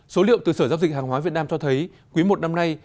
số liệu từ sở giao dịch hàng hóa việt nam cho thấy quý một năm nay